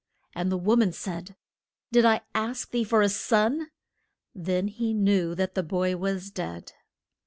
And the wo man said, Did I ask thee for a son? Then he knew that the boy was dead.